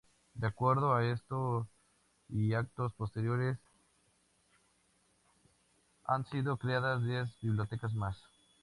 De acuerdo a esto y actos posteriores, han sido creadas diez bibliotecas más.